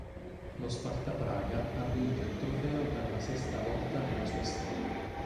Lo Sparta Praga ha vinto il trofeo per la sesta volta nella sua storia.